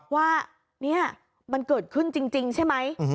ว่านี่มันเกิดขึ้นจริงใช่ไหม